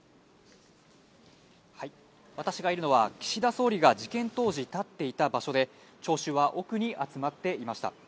私がいるのは、岸田総理が事件当時立っていた場所で、聴衆は奥に集まっていました。